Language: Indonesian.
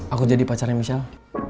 aku jadi pacarnya michelle